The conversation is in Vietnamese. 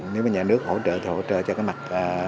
nếu mà nhà nước hỗ trợ hỗ trợ cho cái mặt